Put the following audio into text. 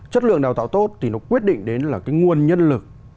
chất lượng đào tạo tốt thì nó quyết định đến là cái nguồn nhân lực